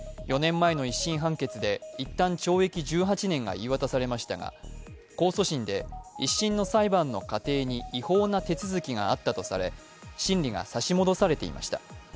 ４年前の１審判決でいったん懲役１８年が言い渡されましたが、控訴審で、１審の裁判の過程に違法な手続きがあったとされ、審理が差し戻されていました。